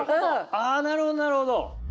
あなるほどなるほど。